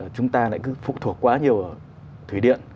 chúng ta lại cứ phụ thuộc quá nhiều ở thủy điện